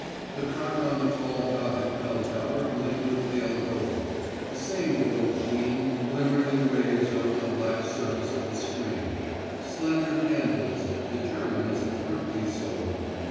The cock on the tall Gothic bell tower gleamed a pale gold, the same gold sheen glimmered in waves over the black surface of the stream; slender candles (the German is a thrifty soul!)